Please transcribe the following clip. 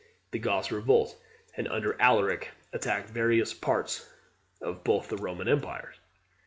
The Goths revolt, and under Alaric attack various parts of both the Roman empires.